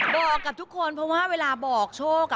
บอกกับทุกคนเพราะว่าเวลาบอกโชค